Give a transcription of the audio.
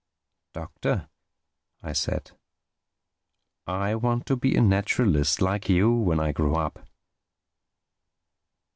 "Doctor," I said, "I want to be a naturalist—like you—when I grow up."